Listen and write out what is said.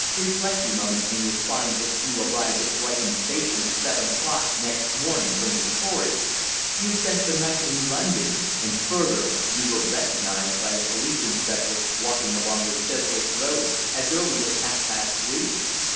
Reflect a moment, and you'll find that you arrived at Brighton Station at seven o'clock next morning from Victoria. You spent the night in London; and further, you were recognised by a police inspector walking along the Chiswick Road as early as half past three.